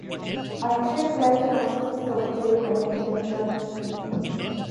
A triplet consists of three connected nodes.